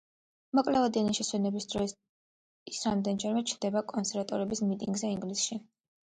მოკლევადიანი შესვენების დროს ის რამდენიმეჯერ ჩნდება კონსერვატორების მიტინგზე ინგლისში.